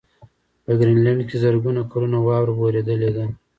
په ګرینلنډ کې زرګونه کلونه واوره ورېدلې ده